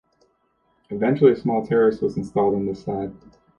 Eventually a small terrace was installed on this side.